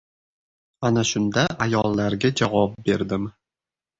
Ana shunda ayollarga javob berdim.